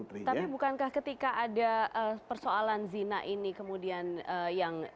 tapi bukankah ketika ada persoalan zina ini kemudian yang